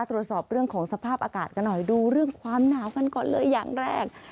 ตรวจสอบเรื่องของสภาพอากาศกันหน่อยดูเรื่องความหนาวกันก่อนเลยอย่างแรก